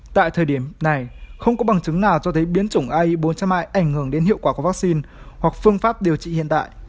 tại thời điểm này không có bằng chứng nào cho thấy biến chủng ai bốn trăm linh hai ảnh hưởng đến hiệu quả của vaccine hoặc phương pháp điều trị hiện tại